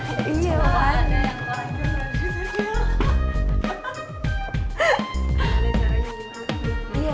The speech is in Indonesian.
itu mungkin whatsapp jorok dari sebelah mana ya